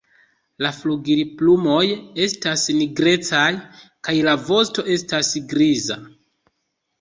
La flugilplumoj estas nigrecaj kaj la vosto estas griza.